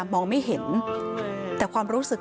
คุณผู้ชมค่ะคุณผู้ชมค่ะ